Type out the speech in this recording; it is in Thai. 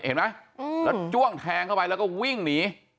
เห็นไหมแล้วจ้วงแทงเข้าไปแล้วก็วิ่งหนี